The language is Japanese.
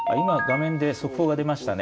今画面で速報が出ました。